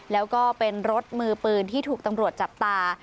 แล้วก็เป็นรถมือปืนที่ถูกตำรวจจับตา